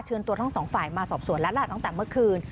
ตัวทั้งสองฝ่ายมาสอบสวนแล้วล่ะตั้งแต่เมื่อคืน